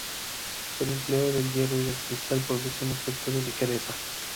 El empleo del hierro y del cristal produce un efecto de ligereza.